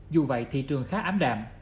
dù vậy thị trường khá ám đạm